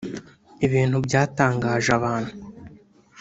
ibintu byatangaje abantu